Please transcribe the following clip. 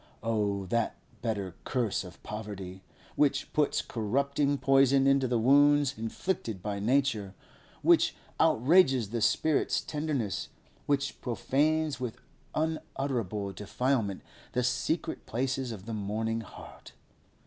Oh that bitter curse of poverty, which puts corrupting poison into the wounds inflicted by nature, which outrages the spirit's tenderness, which profanes with unutterable defilement the secret places of the mourning heart!